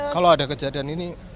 kalau ada kejadian ini